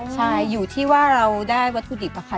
ใช่อยู่ที่ว่าเราได้วัตถุดิบอะค่ะ